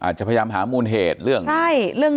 อาจจะพยายามหามูลเหตุเรื่อง